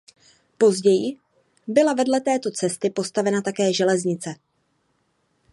Později byla vedle této cesty postavena také železnice.